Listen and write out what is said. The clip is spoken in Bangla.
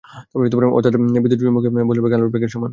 অর্থাৎ বিদ্যুৎচুম্বকীয় বলের বেগে আলোর বেগের সমান।